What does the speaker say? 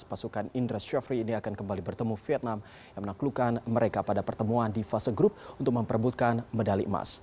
pasukan indra syafri ini akan kembali bertemu vietnam yang menaklukkan mereka pada pertemuan di fase grup untuk memperbutkan medali emas